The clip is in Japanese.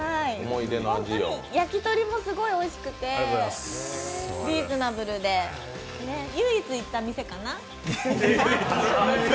ホントに焼き鳥もすごいおいしくて、リーズナブルで、唯一行った店かな？